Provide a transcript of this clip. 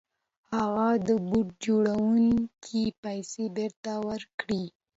هغه د بوټ جوړوونکي پيسې بېرته ورکړې.